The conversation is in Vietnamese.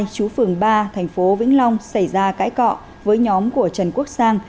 chú phường ba tp vĩnh long xảy ra cãi cọ với nhóm của trần quốc sang